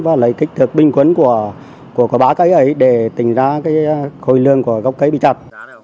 và lấy kích thước bình quân của ba cây ấy để tìm ra khối lương của gốc cây bị chặt